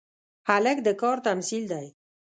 هلک د کار تمثیل دی.